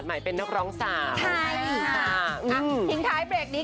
กับเพลงที่มีชื่อว่ากี่รอบก็ได้